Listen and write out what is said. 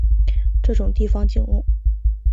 这种地方景物